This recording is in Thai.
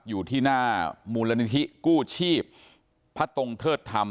อยู่ที่หน้ามูลนิธิกู้ชีพพระตรงเทิดธรรม